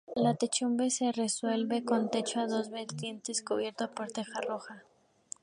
La techumbre se resuelve con techo a dos vertientes y cubierto por teja roja.